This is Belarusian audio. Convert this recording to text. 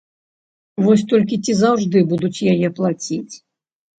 Вось толькі ці заўжды будуць яе плаціць?